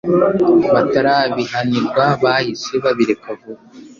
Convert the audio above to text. batarabihanirwa bahise babireka vuba